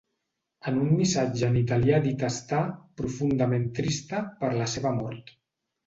En un missatge en italià ha dit estar “profundament trista” per la seva mort.